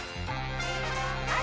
・はい。